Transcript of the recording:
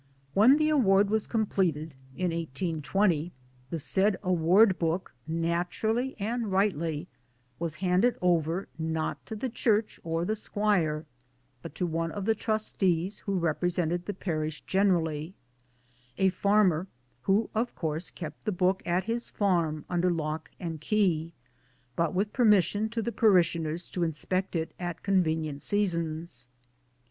When the Award was completed '(in 1820) the said Award Book 1 naturally and rightly was handed over, not to the Church or the Squire, but to one of the Trustees who repre sented the Parish generally a farmer, who of course kept the book at his farm under lock and key, but with permission to the parishioners to inspect it at convenient seasons.